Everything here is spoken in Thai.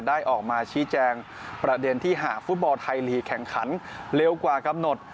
ได้ออกมาชี้แจงประเด็นที่หากฟุตบอลไทยลีกแข่งขันเร็วกว่ากำหนด